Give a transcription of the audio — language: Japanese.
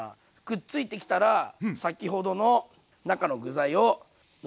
くっついてきたら先ほどの中の具材をのっけていきます。